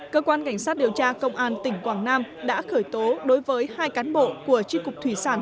cơ quan cảnh sát điều tra công an tỉnh quảng nam đã khởi tố đối với hai cán bộ của tri cục thủy sản